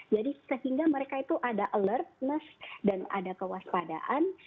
jadi sehingga mereka itu ada alertness dan ada kewaspadaan